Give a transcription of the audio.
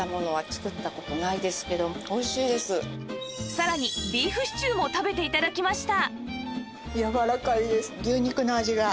さらにビーフシチューも食べて頂きました